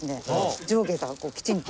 上下がきちんと。